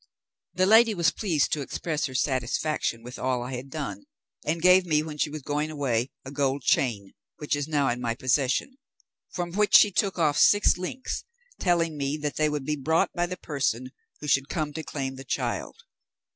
The lady was pleased to express her satisfaction with all I had done, and gave me when she was going away a gold chain, which is now in my possession, from which she took off six links, telling me that they would be brought by the person who should come to claim the child.